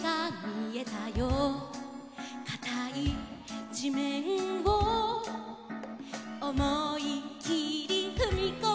「かたいじめんをおもいきりふみこむぞ」